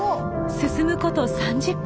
進むこと３０分